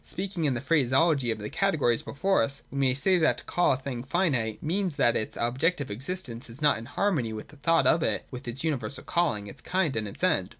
Speaking in the phraseology of the categories before us, we may say that, to call a thing finite, means that its objective existence is not in harmony with the thought of it, with its universal calling, its kind and its end.